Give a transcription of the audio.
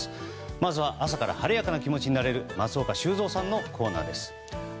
まずは朝から晴れやかな気持ちになれる松岡修造さんのコーナーです。